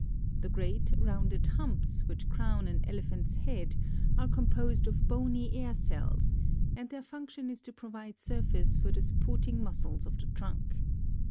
The great, rounded humps which crown an Elephant's head are composed of bony air cells, and their function is to provide surface for the supporting muscles of the trunk.